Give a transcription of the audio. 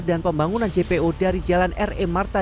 dan pembangunan jpo dari jalan r e marta